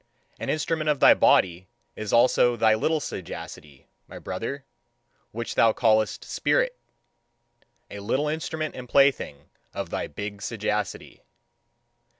An instrument of thy body is also thy little sagacity, my brother, which thou callest "spirit" a little instrument and plaything of thy big sagacity.